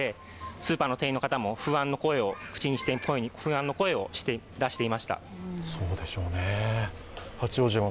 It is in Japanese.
スーパーの店員の方も不安の声を出していました。